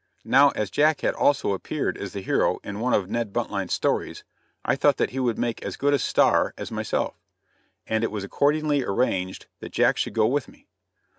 Now as Jack had also appeared as the hero in one of Ned Buntline's stories, I thought that he would make as good a "star" as myself, and it was accordingly arranged that Jack should go with me.